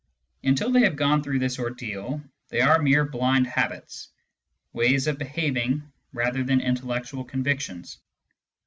Until they have gone through this ordeal, they are mere blind habits, ways of behaving rather than intellectual convictions.